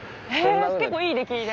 結構いい出来で。